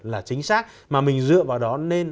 là chính xác mà mình dựa vào đó nên